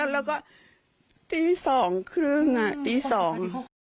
แล้วก็ตีสองครึ่งอ่ะตีสอง